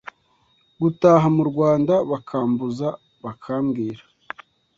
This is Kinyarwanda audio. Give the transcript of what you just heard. gutaha mu Rwanda bakambuza bakambwira